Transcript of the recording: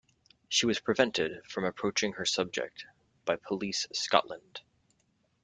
She was prevented from approaching her subject by Police Scotland.